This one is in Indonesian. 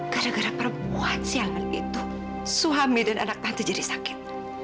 gara gara perempuan siang hari itu suami dan anak tante jadi sakit